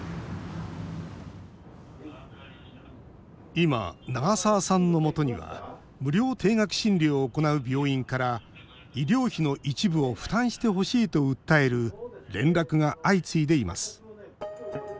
今、長澤さんのもとには無料低額診療を行う病院から医療費の一部を負担してほしいと訴える連絡が相次いでいます。